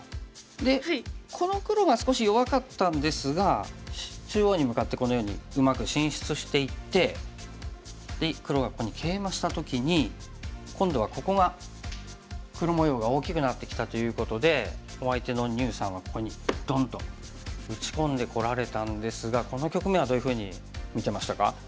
でこの黒が少し弱かったんですが中央に向かってこのようにうまく進出していってで黒がここにケイマした時に今度はここが黒模様が大きくなってきたということでお相手の牛さんはここにドンッと打ち込んでこられたんですがこの局面はどういうふうに見てましたか？